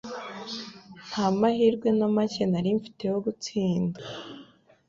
Nta mahirwe na make nari mfite yo gutsinda.